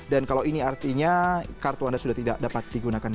dan kalau ini artinya kartu anda sudah tidak dapat digunakan lagi